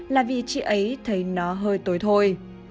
là vì chị ấy thấy nó hơi tối thôi